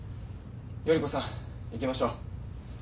依子さん行きましょう。